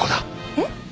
えっ？